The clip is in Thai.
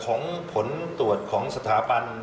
ของผลตรวจของสถาปัน